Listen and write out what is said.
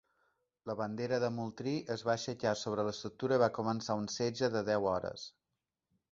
La bandera de Moultrie es va aixecar sobre l'estructura i va començar un setge de deu hores.